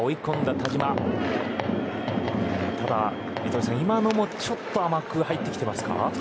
糸井さん、今のもちょっと甘く入ってきてますか。